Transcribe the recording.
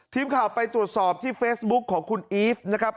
ทีมข่าวไปตรวจสอบที่เฟซบุ๊คของคุณอีฟนะครับ